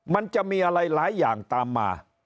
มันจะมีอะไรหลายอย่างตามมา